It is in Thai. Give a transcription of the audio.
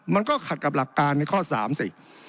มันก็ขัดกับหลักการในข้อ๓สิ